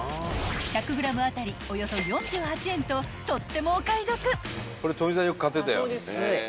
［１００ｇ当たりおよそ４８円ととってもお買い得］